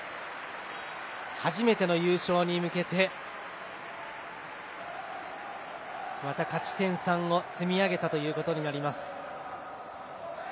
初めての優勝に向けてまた勝ち点３を積み上げたということになります。